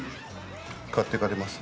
買っていかれます？